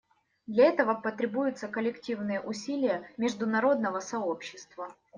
Для этого потребуются коллективные усилия международного сообщества.